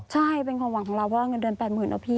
ใช่เป็นความหวังของเราว่าเงินเดือน๘๐๐๐นะพี่